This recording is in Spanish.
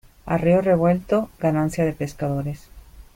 A río revuelto, ganancia de pescadores.